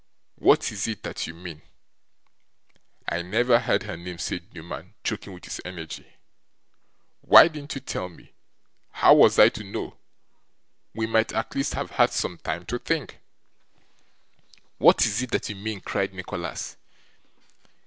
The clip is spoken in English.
What is it that you mean?' 'I never heard her name,' said Newman, choking with his energy. 'Why didn't you tell me? How was I to know? We might, at least, have had some time to think!' 'What is it that you mean?' cried Nicholas.